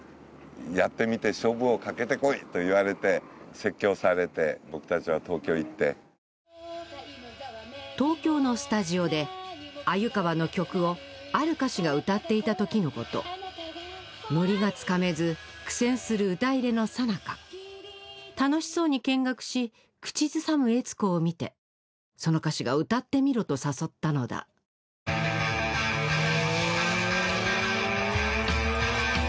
「やってみて勝負をかけてこい！」と言われて説教されて僕たちは東京行って東京のスタジオで鮎川の曲をある歌手が歌っていた時のことノリがつかめず苦戦する歌入れのさなか楽しそうに見学し口ずさむ悦子を見てその歌手が「歌ってみろ」と誘ったのだワンツースリーゴー！